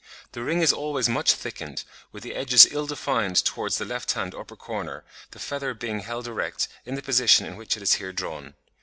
The ring is always much thickened, with the edges ill defined towards the left hand upper corner, the feather being held erect, in the position in which it is here drawn.